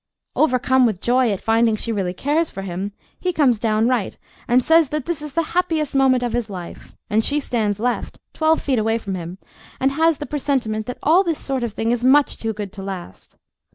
Overcome with joy at finding she really cares for him, he comes down right and says that this is the happiest moment of his life; and she stands left, twelve feet away from him, and has the presentiment that all this sort of thing is much too good to last.